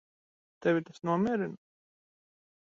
Tevi tas nomierina?